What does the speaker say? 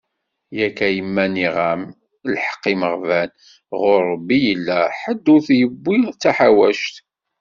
Yak a yemma nniɣ-am, lḥeq imeɣban, ɣur Rebbi i yella, ḥedd ur t-yewwi d taḥawact.